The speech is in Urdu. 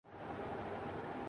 یہ کیسی منطق ہے؟